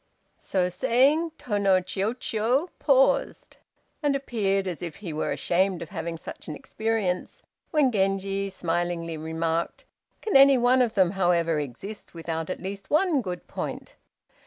So saying Tô no Chiûjiô paused, and appeared as if he were ashamed of having such an experience, when Genji smilingly remarked, "Can any one of them, however, exist without at least one good point?"